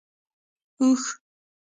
🐪 اوښ